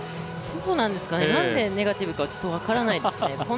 なんでネガティブかはちょっと分からないですね。